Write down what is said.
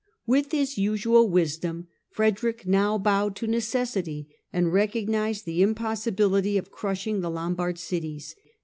With his usual wisdom, Frederick now bowed to necessity, and recognized the impossibility of crushing the Lombard cities.